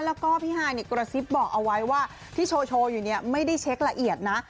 แล้วก็พี่ฮายกระซิบบอกเอาไว้ว่าที่โชว์อยู่เนี่ยไม่ได้เช็คละเอียดนะ